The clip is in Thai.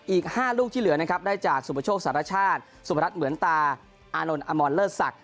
อีก๕ลูกที่เหลือนะครับได้จากสุปโชคสารชาติสุพรัชเหมือนตาอานนท์อมรเลิศศักดิ